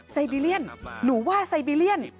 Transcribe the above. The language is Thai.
ไซบีเรียนหนูว่าไซบีเรียน